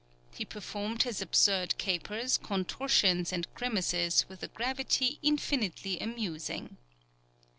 He performed his absurd capers, contortions, and grimaces with a gravity infinitely amusing.